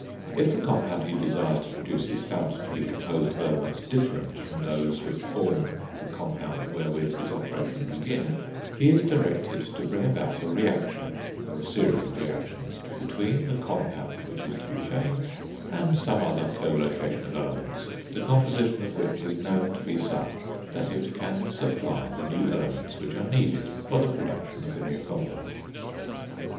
If the compound he desires to produce is found to be composed of elements different from those which form the compound wherewith his operations begin, he is directed to bring about a reaction, or a series of reactions, between the compound which is to be changed, and some other collocation of elements the composition of which is known to be such that it can supply the new elements which are needed for the production of the new compound.